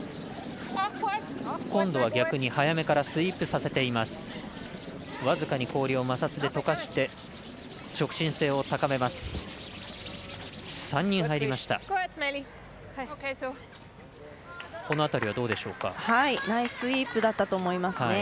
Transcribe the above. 今度は逆に早めからスイープさせています。